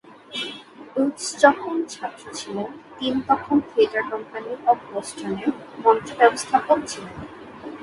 Woods যখন ছাত্র ছিলেন, টিম তখন থিয়েটার কোম্পানি অব বোস্টনের মঞ্চ ব্যবস্থাপক ছিলেন।